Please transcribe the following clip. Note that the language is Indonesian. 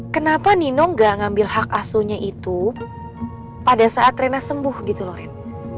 kenapa nino gak ngambil hak asunya itu pada saat rena sembuh gitu loh rena